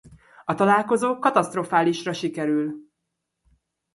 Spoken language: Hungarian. A találkozó katasztrofálisra sikerül.